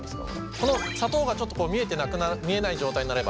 この砂糖がちょっと見えてなくなる見えない状態になれば。